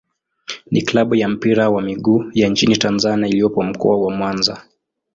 ni klabu ya mpira wa miguu ya nchini Tanzania iliyopo Mkoa wa Mwanza.